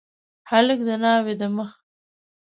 هلک د ناوي د مخ